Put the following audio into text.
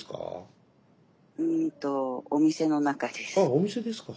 あお店ですか。